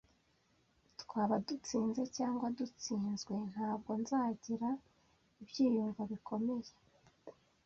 Twaba dutsinze cyangwa dutsinzwe, ntabwo nzagira ibyiyumvo bikomeye.